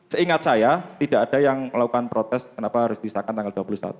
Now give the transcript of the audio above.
seingat saya tidak ada yang melakukan protes kenapa harus disahkan tanggal dua puluh satu